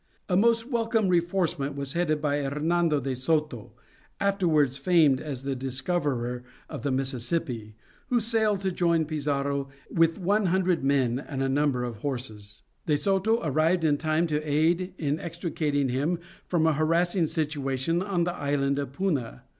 A most welcome reinforcement was headed by Hernando de Soto, afterwards famed as the discoverer of the Mississippi, who sailed to join Pizarro with one hundred men and a number of horses. De Soto arrived in time to aid in extricating him from a harassing situation on the island of Puna.